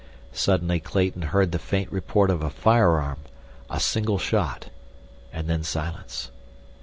Suddenly Clayton heard the faint report of a firearm—a single shot, and then silence.